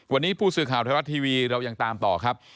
วันนี้ผู้สื่อข่าวไทยรัฐทีวีเรายังตามต่อครับ